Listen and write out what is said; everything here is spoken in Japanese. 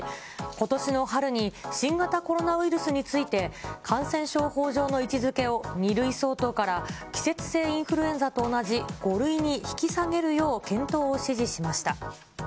この春に、ウイルスについて、感染症法上の位置づけを２類相当から季節性インフルエンザと同じ５類に引き下げるよう検討を指示しました。